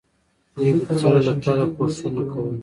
دوی به د زړه له تله کوښښونه کول.